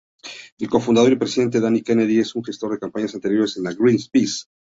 El co-Fundador y presidente Danny Kennedy es un gestor de campañas anteriores de Greenpeace.